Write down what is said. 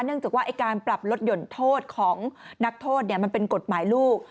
จากว่าการปรับลดหย่นโทษของนักโทษมันเป็นกฎหมายลูก